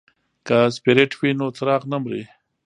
که سپیرټ وي نو څراغ نه مري.